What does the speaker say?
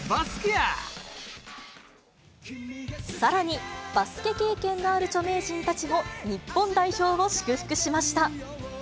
さらに、バスケ経験のある著名人たちも、日本代表を祝福しました。